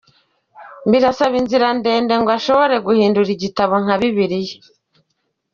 Bisaba inzira ndende ngo ubashe guhindura igitabo nka Bibiliya.